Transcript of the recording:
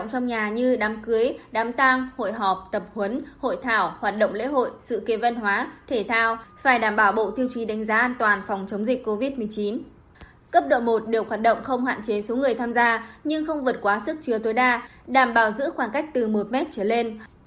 cấp độ một đều hoạt động không hạn chế số người tham gia nhưng không vượt quá sức chứa tối đa đảm bảo giữ khoảng cách từ một mét trở lên